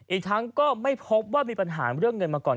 อีกทั้งก็ไม่พบว่ามีปัญหาเรื่องเงินมาก่อน